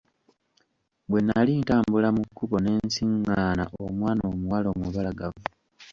Bwe nnali ntambula mu kkubo ne nsiղղaana mwana muwala omubalagavu.